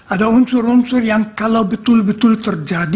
ada unsur unsur yang kalau betul betul terjadi